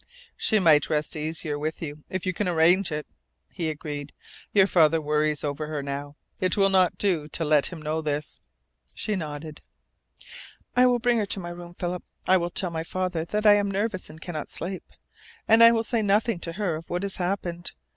"She might rest easier with you if you can arrange it," he agreed. "Your father worries over her now. It will not do to let him know this." She nodded. "I will bring her to my room, Philip. I will tell my father that I am nervous and cannot sleep. And I will say nothing to her of what has happened.